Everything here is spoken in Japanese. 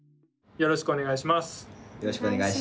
よろしくお願いします。